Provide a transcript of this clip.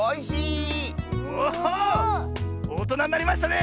おとなになりましたね！